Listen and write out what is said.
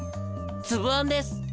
つぶあんです。